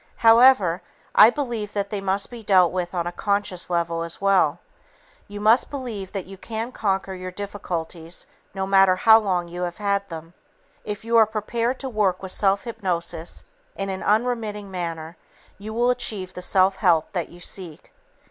However, I believe that they must be dealt with on a conscious level as well. You must believe that you can conquer your difficulties no matter how long you have had them. If you are prepared to work with self hypnosis in an unremitting manner, you will achieve the self help that you seek.